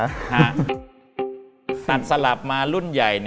ตัดสลับมารุ่นใหญ่